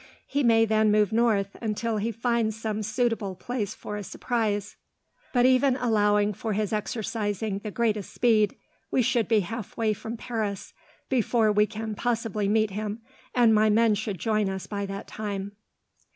He may then move north, until he finds some suitable place for a surprise; but, even allowing for his exercising the greatest speed, we should be halfway from Paris before we can possibly meet him, and my men should join us by that time."